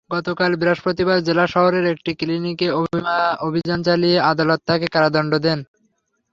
গতকাল বৃহস্পতিবার জেলা শহরের একটি ক্লিনিকে অভিযান চালিয়ে আদালত তাঁকে কারাদণ্ড দেন।